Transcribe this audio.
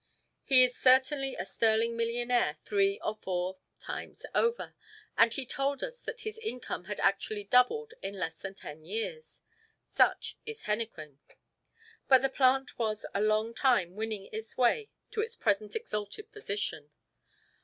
He is certainly a sterling millionaire three or four times over, and he told us that his income had actually doubled in less than ten years. Such is henequen! But the plant was a long time winning its way to its present exalted position.